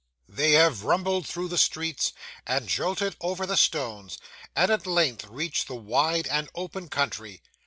They have rumbled through the streets, and jolted over the stones, and at length reach the wide and open country.